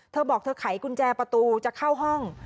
เธอบอกเธอไขกุญแจประตูจะเข้าห้อง